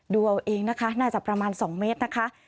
ดูเอาเองนะคะน่าจะประมาณ๒เมตรนะคะ